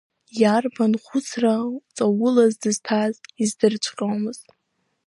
Иарбан хәыцра ҵаулаз дызҭаз издырҵәҟьомызт.